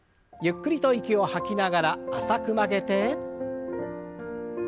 ゆっくりと息を吐きながら浅く曲げて。